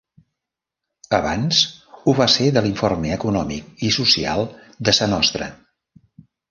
Abans ho va ser de l’Informe Econòmic i Social de Sa Nostra.